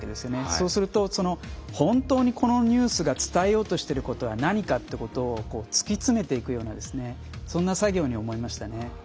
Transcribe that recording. そうすると本当にこのニュースが伝えようとしていることは何かということを突き詰めていくようなそんな作業に思いましたね。